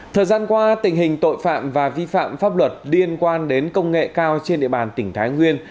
thời gian qua tình hình tội phạm và vi phạm pháp luật liên quan đến công nghệ cao trên địa bàn tỉnh thái nguyên